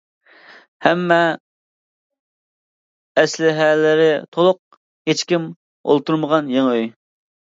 ھەممە ئەسلىھەلىرى تولۇق، ھېچكىم ئولتۇرمىغان يېڭى ئۆي.